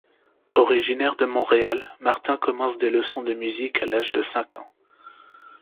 Originaire de Montréal, Martin commence des leçons de musique à l'âge de cinq ans.